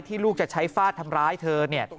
ลูกจะใช้ฟาดทำร้ายเธอเนี่ย